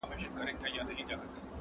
شرنګاشرنګ به د رباب او د پایل وي -